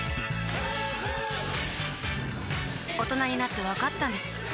大人になってわかったんです